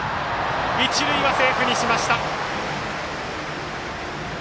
一塁はセーフにしました。